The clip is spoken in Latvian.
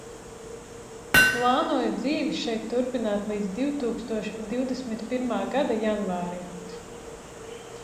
Plānoju dzīvi šeit turpināt līdz divtūkstoš divdesmit pirmā gada janvārim.